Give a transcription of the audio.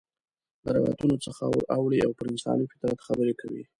له روایتونو څخه ور اوړي او پر انساني فطرت خبرې کوي.